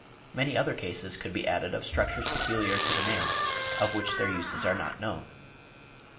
Many other cases could be added of structures peculiar to the male, of which the uses are not known.)